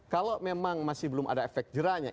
kalau memang masih belum ada efek jerahnya